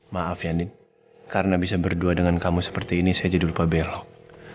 maaf yani karena bisa berdua dengan kamu seperti ini saya jadi lupa belok